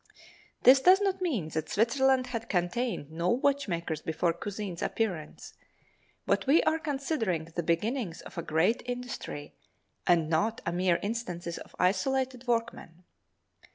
This does not mean that Switzerland had contained no watchmakers before Cusin's appearance, but we are considering the beginnings of a great industry and not mere instances of isolated workmen.